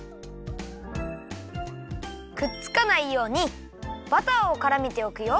くっつかないようにバターをからめておくよ。